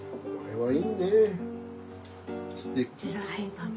はい。